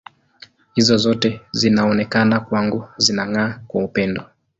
Hizo zote zinaonekana kwangu zinang’aa kwa upendo.